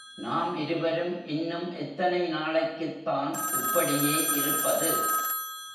நாம் இருவரும் இன்னும் எத்தனை நாளைக்குத்தான் இப்படியே இருப்பது?